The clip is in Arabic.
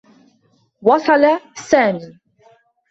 وصل سامي.